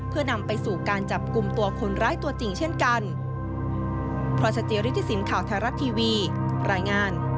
เพื่อนำไปสู่การจับกลุ่มตัวคนร้ายตัวจริงเช่นกัน